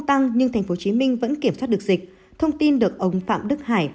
f tăng nhưng tp hcm vẫn kiểm soát dịch thông tin được ông phạm đức hải